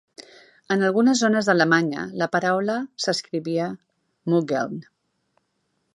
En algunes zones d'Alemanya, la paraula s'escrivia "muggeln".